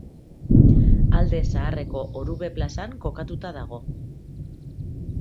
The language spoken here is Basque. Alde Zaharreko Orube plazan kokatuta dago.